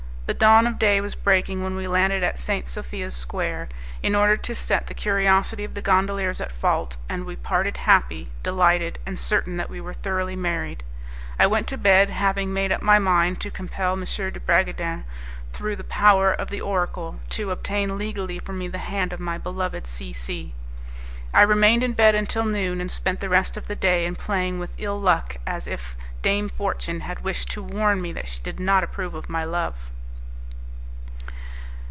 The dawn of day was breaking when we landed at St. Sophia's Square, in order to set the curiosity of the gondoliers at fault, and we parted happy, delighted, and certain that we were thoroughly married. I went to bed, having made up my mind to compel M. de Bragadin, through the power of the oracle, to obtain legally for me the hand of my beloved C C . I remained in bed until noon, and spent the rest of the day in playing with ill luck, as if Dame Fortune had wished to warn me that she did not approve of my love.